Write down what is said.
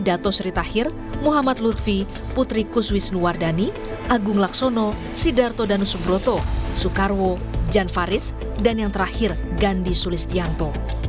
dato sri tahir muhammad lutfi putri kuswisnuwardani agung laksono sidarto danusubroto soekarwo jan faris dan yang terakhir gandhi sulistianto